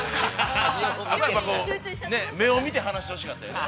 やっぱりこう、目を見て話してほしかったよね。